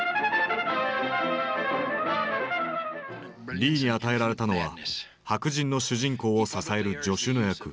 リーに与えられたのは白人の主人公を支える助手の役。